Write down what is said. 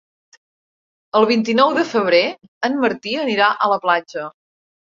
El vint-i-nou de febrer en Martí anirà a la platja.